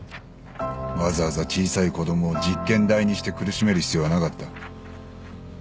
わざわざ小さい子供を実験台にして苦しめる必要はなかった。